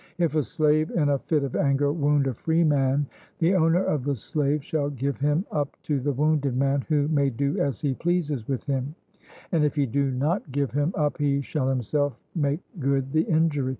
If a slave in a fit of anger wound a freeman, the owner of the slave shall give him up to the wounded man, who may do as he pleases with him, and if he do not give him up he shall himself make good the injury.